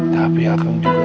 tapi akang juga